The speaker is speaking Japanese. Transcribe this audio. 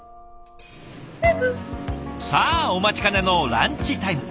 さあお待ちかねのランチタイム。